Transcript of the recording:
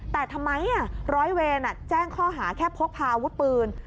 แต่ทำไมร้อยเวรแจ้งข้อหาแค่พกพาอาวุธปืน